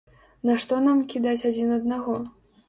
Нашто нам кідаць адзін аднаго?